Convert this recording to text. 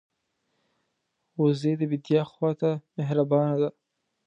وزې د بیدیا خوا ته مهربانه ده